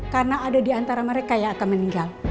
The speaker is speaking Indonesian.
karena ada diantara mereka yang akan meninggal